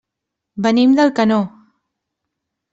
Venim d'Alcanó.